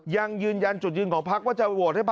ยังยืนยันจุดยืนของพรรคว่าจะโหวรได้